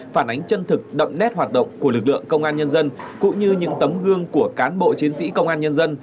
phản ánh chân thực đậm nét hoạt động của lực lượng công an nhân dân cũng như những tấm gương của cán bộ chiến sĩ công an nhân dân